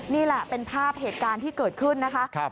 นี่แหละเป็นภาพเหตุการณ์ที่เกิดขึ้นนะคะ